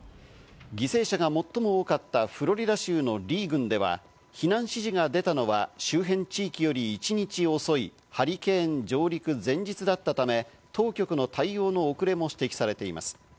犠牲者が最も多かったフロリダ州のリー郡では避難指示が出たのは周辺地域より一日遅いハリケーン上陸前日だったため、当局の対応の遅れも指摘されています。